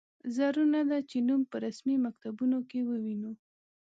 ضرور نه ده چې نوم په رسمي مکتوبونو کې ووینو.